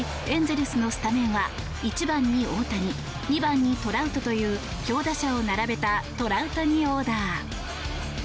エンゼルスのスタメンは１番に大谷２番にトラウトという強打者を並べたトラウタニオーダー。